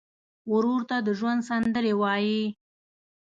ورور ته د ژوند سندرې وایې.